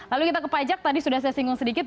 lalu kita ke pajak tadi sudah saya singgung sedikit